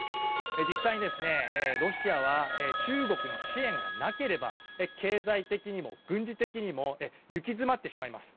実際にロシアは中国の支援がなければ経済的にも軍事的にも行き詰まってしまいます。